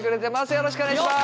よろしくお願いします。